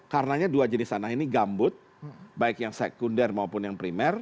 karenanya dua jenis tanah ini gambut baik yang sekunder maupun yang primer